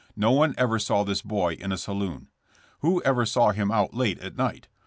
No one ever saw this boy in a saloon. Who ever saw him out late at night?